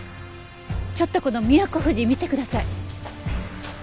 ちょっとこのミヤコフジ見てください。